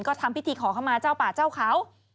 ก็ทำพิธีขอเข้ามาเจ้าป่าเจ้าเขา